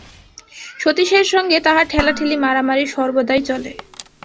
সতীশের সঙ্গে তাহার ঠেলাঠেলি মারামারি সর্বদাই চলে।